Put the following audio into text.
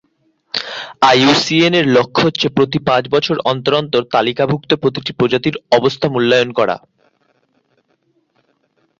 আইইউসিএন-এর লক্ষ্য হচ্ছে প্রতি পাঁচ বছর অন্তর অন্তর তালিকাভুক্ত প্রতিটি প্রজাতির অবস্থা মূল্যায়ন করা।